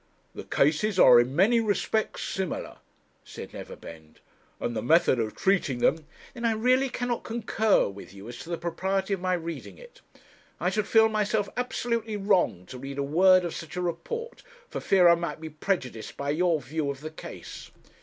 'The cases are in many respects similar,' said Neverbend, 'and the method of treating them ' 'Then I really cannot concur with you as to the propriety of my reading it. I should feel myself absolutely wrong to read a word of such a report, for fear I might be prejudiced by your view of the case.